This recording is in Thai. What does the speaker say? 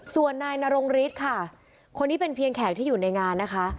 ส่วนนายนรงฤทธิ์ค่ะคนนี้เป็นเพียงแขกที่อยู่ในงานนะคะ